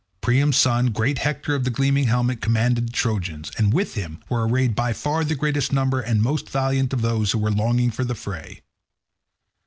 Priam's son, great Hector of the gleaming helmet, commanded the Trojans, and with him were arrayed by far the greater number and most valiant of those who were longing for the fray.